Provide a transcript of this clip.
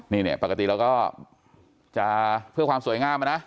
นี่เนี่ยปกติเราก็จะเพื่อความสวยงามอะนะ